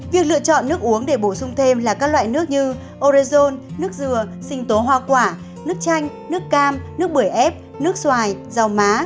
việc lựa chọn nước uống để bổ sung thêm là các loại nước như orezone nước dừa sinh tố hoa quả nước chanh nước cam nước bưởi ép nước xoài dầu má